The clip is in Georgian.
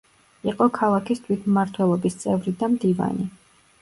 იყო ქალაქის თვითმმართველობის წევრი და მდივანი.